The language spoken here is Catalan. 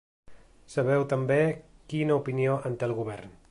Sabeu també quina opinió en té el govern.